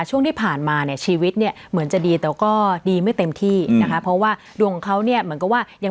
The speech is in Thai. ช่วงที่ผ่านมาชีวิตเหมือนจะดีแต่ก็ดีไม่เต็มที่นะคะเพราะว่าดวงเขาเหมือนกับว่า